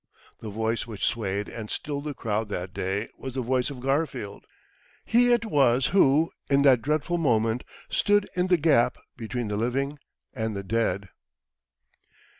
The voice which swayed and stilled the crowd that day was the voice of Garfield; he it was who, in that dreadful moment, stood in the gap between the living and the dead.